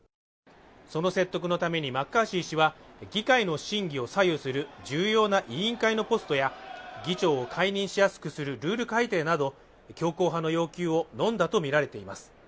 その説得のためにマッカーシー氏は議会の審議をさゆうする重要な委員会のポストや議長を解任しやすくするルール改定など強硬派の要求をのんだとみられています。